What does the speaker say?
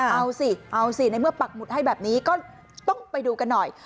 เอาสิเอาสิในเมื่อปักหมุดให้แบบนี้ก็ต้องไปดูกันหน่อย